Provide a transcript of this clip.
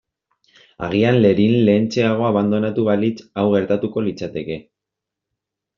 Agian Lerin lehentxeago abandonatu balitz hau gertatuko litzateke.